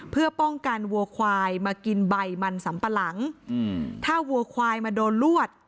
เพื่อป้องกันวัวควายมากินใบมันสัมปะหลังถ้าวัวควายมาโดนลวด